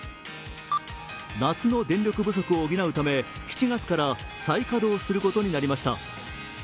夏の電力不足を補うため７月から再稼働することになりました。